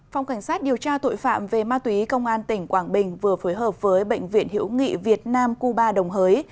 phòng cảnh sát điều tra tội phạm về ma túy công an tỉnh quảng bình vừa phối hợp với bệnh viện hữu nghị việt nam cuba đồng hới